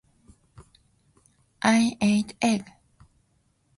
I ate egg.